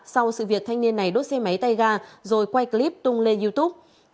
sau sự việc thanh niên này đốt xe máy tay ga rồi quay clip tung lên youtube